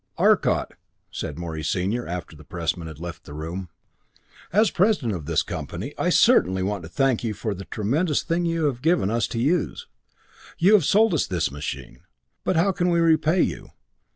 "Arcot," said Morey, Senior, after the pressmen had left the room, "as president of this company I certainly want to thank you for the tremendous thing you have given us to use. You have 'sold' us this machine but how can we repay you?